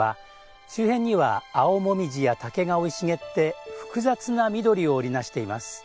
周辺には青もみじや竹が生い茂って複雑な緑を織りなしています。